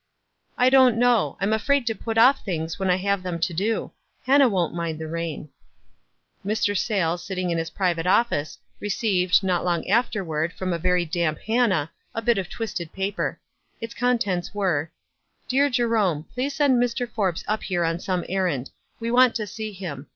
"I don't know. I'm afraid to put off things when I have them to do. Hannah won't mind the rain." Mr. Sayles, sitting in his private office, re WISE AND OTHERWISE. 89 ceived, not long afterward, from a very damp Hannah, a bit of twisted paper. Its contents were, — "Dear Jerome: — Please send Mr. Forbes np here on some errand. We want to see him.